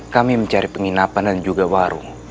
kami mencari penginapan dan juga warung